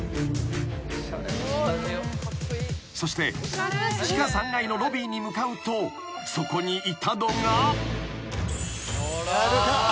［そして地下３階のロビーに向かうとそこにいたのが］